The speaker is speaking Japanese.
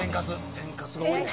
天かすが多いねん。